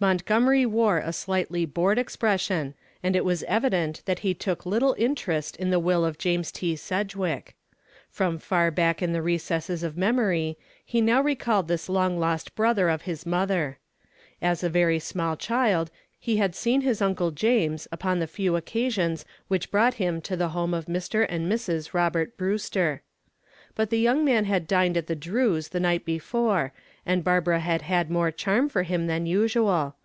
Montgomery wore a slightly bored expression, and it was evident that he took little interest in the will of James T. Sedgwick. From far back in the recesses of memory he now recalled this long lost brother of his mother. As a very small child he had seen his Uncle James upon the few occasions which brought him to the home of Mr. and Mrs. Robert Brewster. But the young man had dined at the Drews the night before and Barbara had had more charm for him than usual.